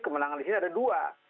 kemenangan di sini ada dua